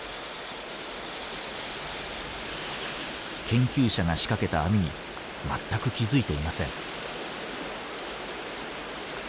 研究者が仕掛けた網に全く気付いていません。